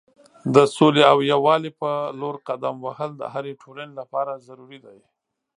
د سولې او یووالي په لور قدم وهل د هرې ټولنې لپاره ضروری دی.